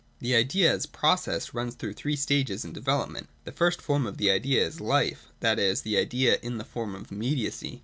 The idea as a process runs through three stages in its development. The first form of the idea is Life : that is, the idea in the form of immediacy.